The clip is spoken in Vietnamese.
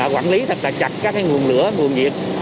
quản lý thật là chặt các nguồn lửa nguồn nhiệt